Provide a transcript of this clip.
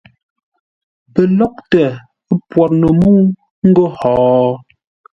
Pəlóghʼtə pwor no mə́u ńgó hó?